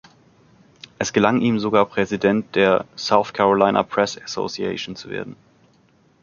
Es gelang ihm sogar, Präsident der "South Carolina Press Association" zu werden.